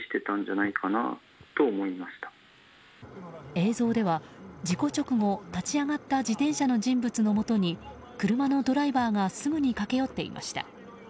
映像では事故直後立ち上がった自転車の人物のもとに車のドライバーがすぐに駆け寄っていました。